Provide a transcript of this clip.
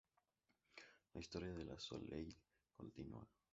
La historia de "La Soleil" continúa.